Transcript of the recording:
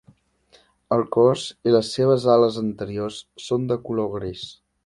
El cos i les seves ales anteriors són de color gris.